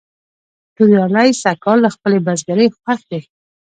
توریالی سږ کال له خپلې بزگرۍ خوښ دی.